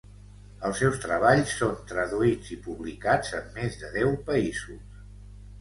Els seus treballs són traduïts i publicats en més de deu països.